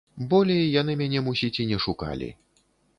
Болей яны мяне, мусіць, і не шукалі.